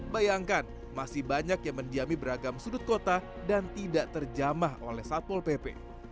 bayangkan masih banyak yang mendiami beragam sudut kota dan tidak terjamah oleh satpol pp